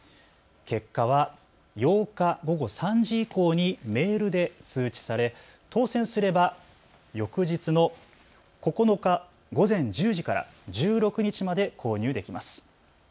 結果は８日午後３時以降にメールで通知され、当せんすれば翌日の９日午前１０時から１６日まで購入できます。